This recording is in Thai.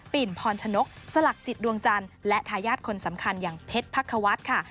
พรชนกสลักจิตดวงจันทร์และทายาทคนสำคัญอย่างเพชรพักควัฒน์ค่ะ